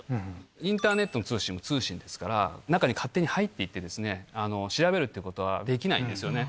インターネットの通信も通信ですから、中に勝手に入っていってですね、調べるってことはできないんですよね。